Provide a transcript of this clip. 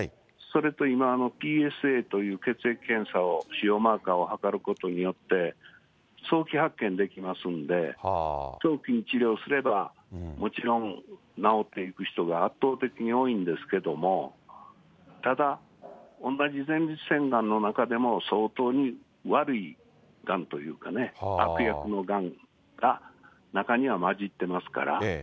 それと今、ＰＳＡという血液検査を、腫瘍マーカーを測ることによって、早期発見できますんで、早期に治療すれば、もちろん治っていく人が圧倒的に多いんですけども、ただ、同じ前立腺がんの中でも、相当に悪いがんというかね、悪役のがんが、中には交じってますから。